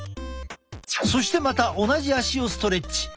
そしてまた同じ足をストレッチ。